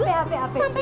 sampai kangen aku